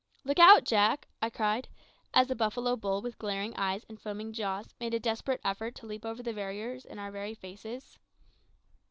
"Look out, Jack!" I cried, as a buffalo bull with glaring eyes and foaming jaws made a desperate effort to leap over the barrier in our very faces.